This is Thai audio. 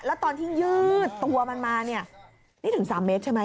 แล้วตอนที่ยืดตัวมันมาเนี่ยนี่ถึง๓เมตรใช่ไหม